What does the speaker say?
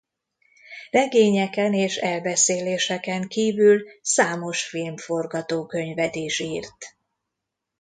Regényeken és elbeszéléseken kívül számos filmforgatókönyvet is írt.